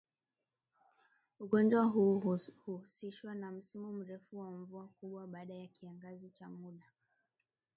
Ugonjwa huu huhusishwa na msimu mrefu wa mvua kubwa baada ya kiangazi cha muda